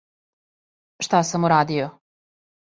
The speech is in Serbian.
Шта сам урадио.